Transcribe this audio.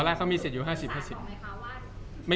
จากความไม่เข้าจันทร์ของผู้ใหญ่ของพ่อกับแม่